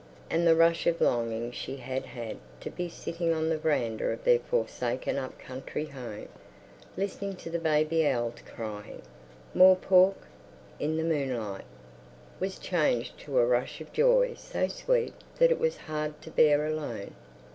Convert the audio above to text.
And the rush of longing she had had to be sitting on the veranda of their forsaken up country home, listening to the baby owls crying "More pork" in the moonlight, was changed to a rush of joy so sweet that it was hard to bear alone.